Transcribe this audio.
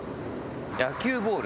野球ボール？